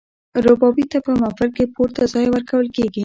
ربابي ته په محفل کې پورته ځای ورکول کیږي.